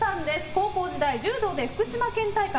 高校時代、柔道で福島県大会